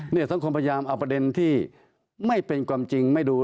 สังคมพยายามเอาประเด็นที่ไม่เป็นความจริงไม่ดู